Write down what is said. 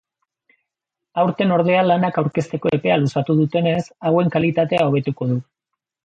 Aurten ordea lanak aurkezteko epea luzatu dutenez, hauen kalitatea hobetuko du.